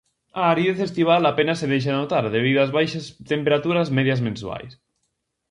A aridez estival apenas se deixa notar debido ás baixas temperaturas medias mensuais.